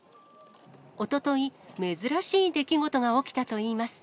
おととい、珍しい出来事が起きたといいます。